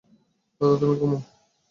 দাদা, তুমি ঘুমোও।